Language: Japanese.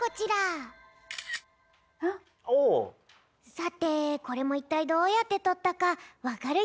さてこれもいったいどうやってとったかわかるよね？